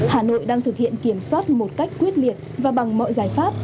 hà nội đang thực hiện kiểm soát một cách quyết liệt và bằng mọi giải pháp